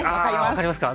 分かりますか。